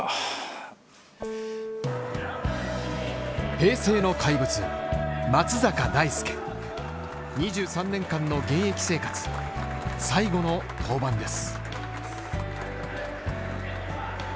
平成の怪物・松坂大輔２３年間の現役生活最後の登板です。